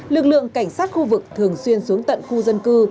lực lượng cảnh sát khu vực thường xuyên xuống tận khu dân cư